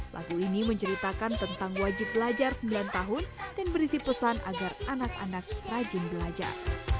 lagu ini menceritakan tentang wajib belajar sembilan tahun dan berisi pesan agar anak anak rajin belajar